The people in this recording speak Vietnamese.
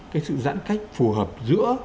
cái sự giãn cách phù hợp giữa